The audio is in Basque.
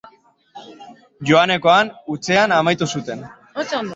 Joanekoan hutsean amaitu zuten.